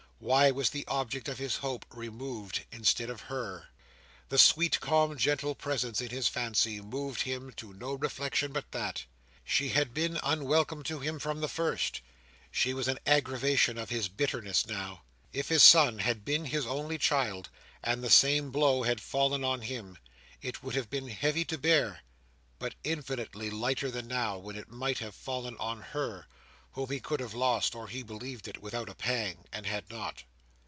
Why was the object of his hope removed instead of her? The sweet, calm, gentle presence in his fancy, moved him to no reflection but that. She had been unwelcome to him from the first; she was an aggravation of his bitterness now. If his son had been his only child, and the same blow had fallen on him, it would have been heavy to bear; but infinitely lighter than now, when it might have fallen on her (whom he could have lost, or he believed it, without a pang), and had not.